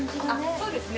そうですね。